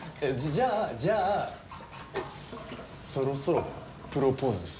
じゃあじゃあそろそろプロポーズっすか？